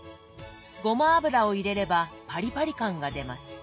ごま油を入れればパリパリ感が出ます。